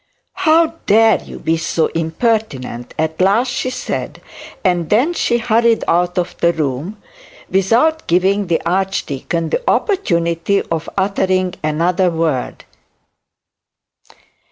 'How dare you be so impertinent?' at last she said; and then hurried out of the room, without giving the archdeacon the opportunity of uttering another word.